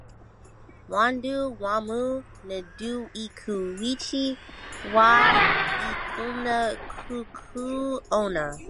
W'andu w'amu ndew'ikuichi w'aw'ekunda kukuw'ona.